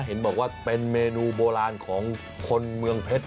เห็นบอกว่าเป็นเมนูโบราณของคนเมืองเพชร